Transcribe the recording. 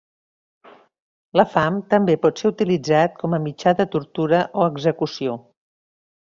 La fam també pot ser utilitzat com a mitjà de tortura o execució.